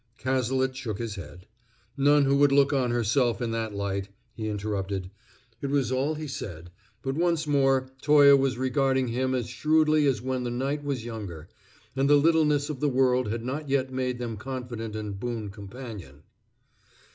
Cazalet shook his head. "None who would look on herself in that light," he interrupted. It was all he said, but once more Toye was regarding him as shrewdly as when the night was younger, and the littleness of the world had not yet made them confidant and boon companion.